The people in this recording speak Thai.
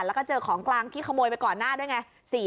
แล้วก็เจอของกลางที่ขโมยไปก่อนหน้าด้วยไง